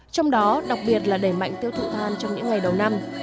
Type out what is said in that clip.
trong đó đặc biệt là đẩy mạnh tiêu thụ than trong những ngày đầu năm